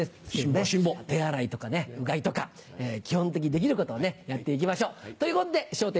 手洗いとかうがいとか基本的にできることをねやって行きましょう。ということで『笑点』